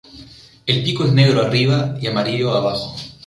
El pico es negro arriba y amarillo abajo.